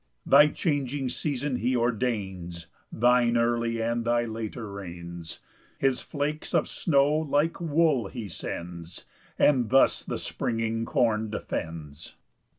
3 Thy changing season he ordains, Thine early and thy later rains: His flakes of snow like wool he sends, And thus the springing corn defends.